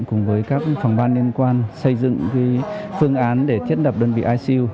cùng với các phòng ban liên quan xây dựng phương án để thiết lập đơn vị ic